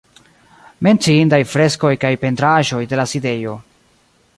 Menciindaj freskoj kaj pentraĵoj de la sidejo.